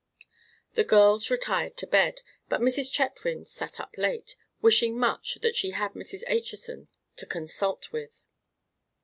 The girls retired to bed; but Mrs. Chetwynd sat up late, wishing much that she had Mrs. Acheson to consult with.